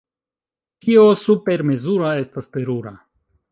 Ĉio supermezura estas terura.